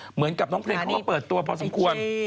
เหมือนกับน้องเพลงเขาก็เปิดตัวพอสมควร